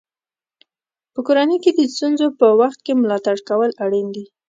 په کورنۍ کې د ستونزو په وخت کې ملاتړ کول اړین دي.